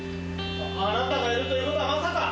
あなたがいるということはまさか。